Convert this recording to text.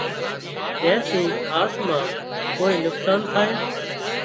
زين ٿي هاس مان ڪوئي نُون نقصان ٿائي